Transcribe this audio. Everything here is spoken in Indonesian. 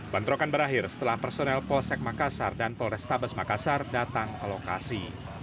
bentrokan berakhir setelah personel polsek makassar dan polrestabes makassar datang ke lokasi